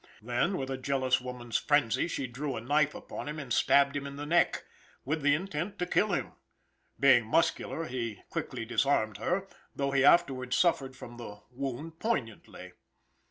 Then, with a jealous woman's frenzy, she drew a knife upon him and stabbed him in the neck, with the intent to kill him. Being muscular, he quickly disarmed her, though he afterward suffered from the wound poignantly.